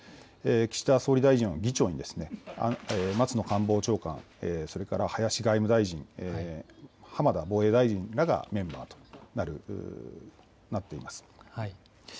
岸田総理大臣を議長に松野官房長官、林外務大臣、浜田防衛大臣らがメンバーとなっています。